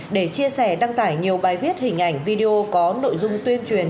để chia sẻ đăng tải nhiều bài viết hình ảnh video có nội dung tuyên truyền